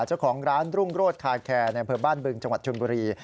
เจ้าของร้านรุ่งโรธคาร์ดแคร์ในบ้านบึงจังหวัดชนบุรี